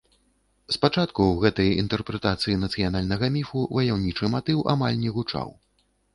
Спачатку ў гэтай інтэрпрэтацыі нацыянальнага міфу ваяўнічы матыў амаль не гучаў.